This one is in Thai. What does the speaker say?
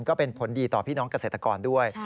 ก็เป็นผลดีต่อพี่น้องเกษตรกรด้วย